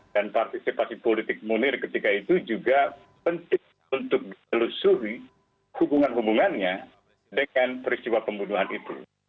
dan partisipasi politik munir ketika itu juga penting untuk melusuri hubungan hubungannya dengan peristiwa pembunuhan itu